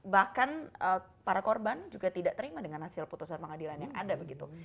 bahkan para korban juga tidak terima dengan hasil putusan pengadilan yang ada begitu